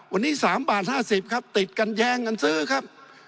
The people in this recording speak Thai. วันนี้๓บาท๕๐ครับติดกันแยงกันซื้อครับ